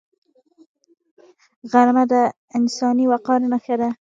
غرمه د انساني وقار نښه ده